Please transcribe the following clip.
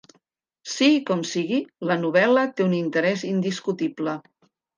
Sigui com sigui, la novel·la té un interès indiscutible.